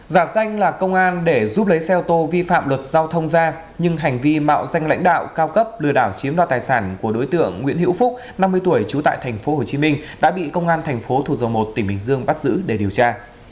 giả danh là công an để giúp lấy xe ô tô vi phạm luật giao thông ra nhưng hành vi mạo danh lãnh đạo cao cấp lừa đảo chiếm đoạt tài sản của đối tượng nguyễn hữu phúc năm mươi tuổi trú tại tp hcm đã bị công an thành phố thủ dầu một tỉnh bình dương bắt giữ để điều tra